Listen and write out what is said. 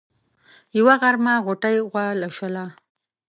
يوه غرمه غوټۍ غوا لوشله.